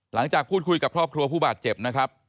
หลังจากพูดคุยกับครอบครัวผู้บาดเจ็บนะครับ